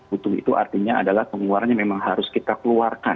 butuh itu artinya adalah pengeluaran yang memang harus kita keluarkan